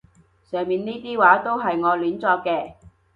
上面呢啲話都係我亂作嘅